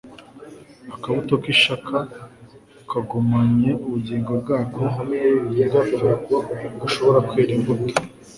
Akabuto k'ishaka kagumanye ubugingo bwako ntigapfe ntigashobora kwera imbuto.